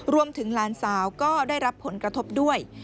หลานสาวก็ได้รับผลกระทบด้วย